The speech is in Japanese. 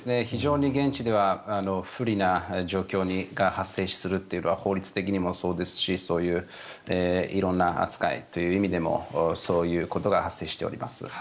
非常に現地では不利な状況が発生するというのは法律的にもそうですし色んな扱いという意味でもそういうことが発生しております。